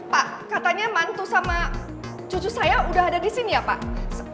pak katanya mantu sama cucu saya sudah ada disini ya pak